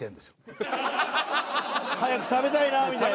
早く食べたいなみたいな。